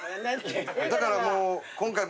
だからもう。